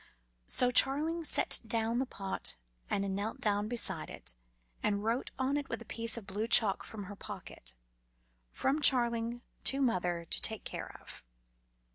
So Charling set down the pot, and she knelt down beside it, and wrote on it with a piece of blue chalk from her pocket: "_From Charling to mother to take care of.